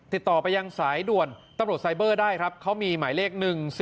ติดต่อไปยังสายด่วนตำรวจไซเบอร์ได้ครับเขามีหมายเลข๑๔